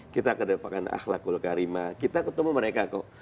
kita kedepan akhlakul karimah kita ketemu mereka